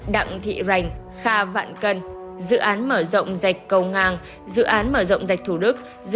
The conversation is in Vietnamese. đặng thị rành kha vạn cân dự án mở rộng dạch cầu ngang dự án mở rộng dạch thủ đức